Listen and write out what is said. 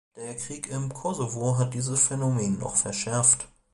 Der Krieg im Kosovo hat dieses Phänomen noch verschärft.